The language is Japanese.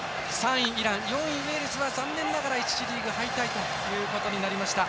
３位イラン、４位ウェールズは残念ながら１次リーグ敗退ということになりました。